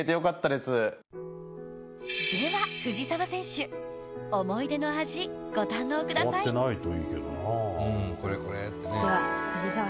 では藤澤選手想い出の味ご堪能くださいでは藤澤選手